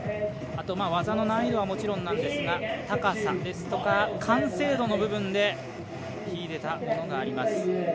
あと技の難易度はもちろんですが高さですとか、完成度の部分で秀でたものがあります。